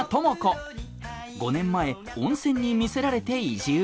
５年前温泉に魅せられて移住。